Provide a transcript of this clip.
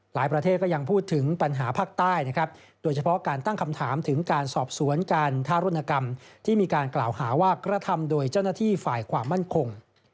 ประเทศก็ยังพูดถึงปัญหาภาคใต้นะครับโดยเฉพาะการตั้งคำถามถึงการสอบสวนการทารุณกรรมที่มีการกล่าวหาว่ากระทำโดยเจ้าหน้าที่ฝ่ายความมั่นคง